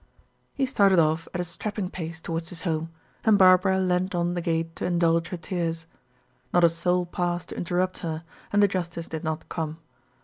He started off at a strapping pace toward his home, and Barbara leaned on the gate to indulge her tears. Not a soul passed to interrupt her, and the justice did not come.